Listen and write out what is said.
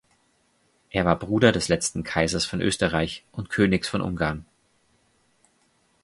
Er war Bruder des letzten Kaisers von Österreich und Königs von Ungarn.